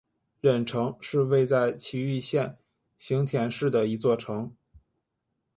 忍城是位在崎玉县行田市的一座城。